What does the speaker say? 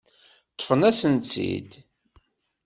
Ṭṭfen-asent-tt-id.